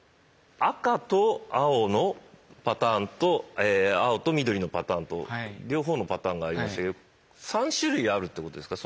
赤と青のパターンとえ青と緑のパターンと両方のパターンがありましたけど３種類あるってことですか